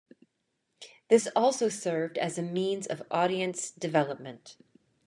This also served as a means of audience development.